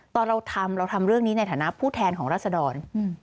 ตอนเราทำเราทำเรื่องนี้ในฐานะผู้แทนของรัศดร